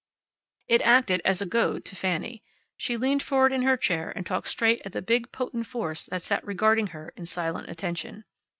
It acted as a goad to Fanny. She leaned forward in her chair and talked straight at the big, potent force that sat regarding her in silent attention.